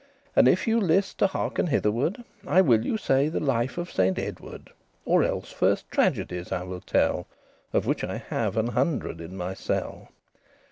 And if you list to hearken hitherward, I will you say the life of Saint Edward; Or elles first tragedies I will tell, Of which I have an hundred in my cell.